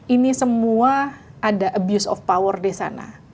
ini semua ada abuse of power di sana